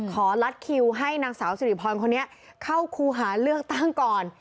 ลัดคิวให้นางสาวสิริพรคนนี้เข้าครูหาเลือกตั้งก่อน